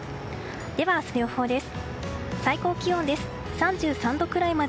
では、明日の予報です。